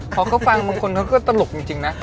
พอเขาฟังคนเขาก็ตลกจริงนะ